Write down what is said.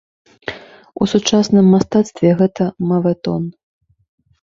У сучасным мастацтве гэта мавэтон.